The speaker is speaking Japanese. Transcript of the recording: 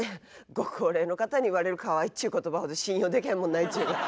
ご高齢の方に言われるかわいいっちゅう言葉ほど信用できんもんないっちゅうか。